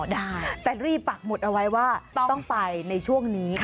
ได้แต่รีบปักหมุดเอาไว้ว่าต้องไปในช่วงนี้